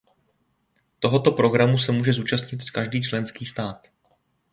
Tohoto programu se může zúčastnit každý členský stát.